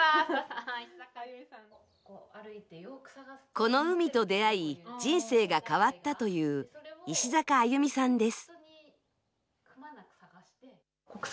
この海と出会い、人生が変わったという、石坂歩さんです。